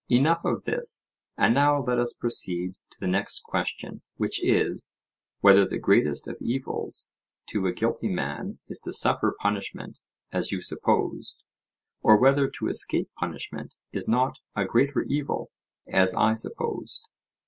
Enough of this, and now let us proceed to the next question; which is, Whether the greatest of evils to a guilty man is to suffer punishment, as you supposed, or whether to escape punishment is not a greater evil, as I supposed.